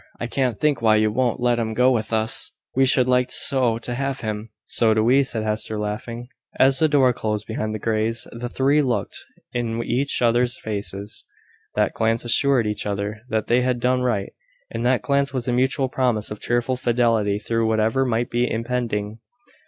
I can't think why you won't let him go with us: we should like so to have him!" "So do we," said Hester, laughing. As the door closed behind the Greys, the three looked in each other's faces. That glance assured each other that they had done right. In that glance was a mutual promise of cheerful fidelity through whatever might be impending.